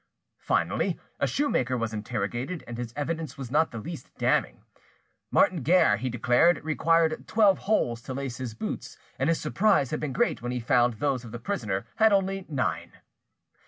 Finally, a shoemaker was interrogated, and his evidence was not the least damning. Martin Guerre, he declared, required twelve holes to lace his boots, and his surprise had been great when he found those of the prisoner had only nine.